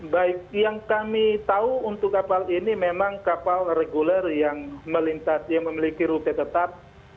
baik yang kami tahu untuk kapal ini memang kapal reguler yang melintas yang memiliki rute tetap